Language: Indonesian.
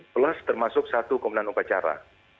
plus termasuk satu komandan upacara